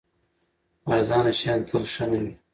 ارزانه شیان تل ښه نه وي.